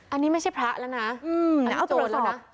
อันนี้ไม่ใช่พระแล้วนะอันนี้เอาตัวแล้วนะ